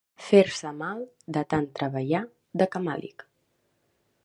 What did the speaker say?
Fer-se mal de tant treballar de camàlic.